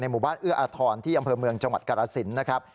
หมู่บ้านเอื้ออาทรที่อำเภอเมืองจังหวัดกรสินนะครับ